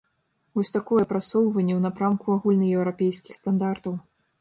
Вось такое прасоўванне ў напрамку агульнаеўрапейскіх стандартаў.